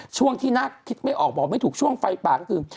ช่วงที่น่าคิดไม่ออกบอกไม่ถูกช่วงไฟป่าก็คือ